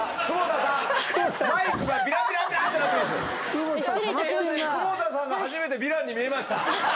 久保田さんが初めてヴィランに見えました。